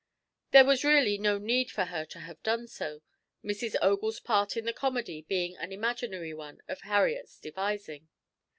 There was really no need for her to have done so, Mrs. Ogle's part in the comedy being an imaginary one of Harriet's devising.